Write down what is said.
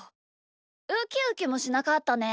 ウキウキもしなかったね。